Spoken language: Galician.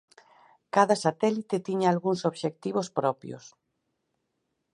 Cada satélite tiña algúns obxectivos propios.